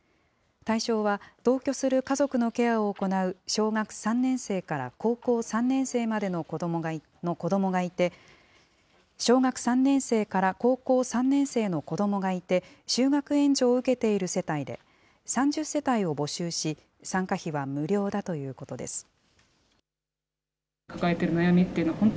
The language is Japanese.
対象は、同居する家族のケアを行う小学３年生から高校３年生までの子どもがいて、小学３年生から高校３年生の子どもがいて、就学援助を受けている世帯で、３０世帯を募集し、参加費は無料だということです。